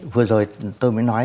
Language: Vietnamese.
vừa rồi tôi mới nói